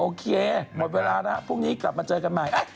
โอเคหมดเวลาแล้วพรุ่งนี้กลับมาเจอกันใหม่